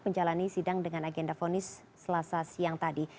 menjalani sidang dengan agenda fonis selasa siang tadi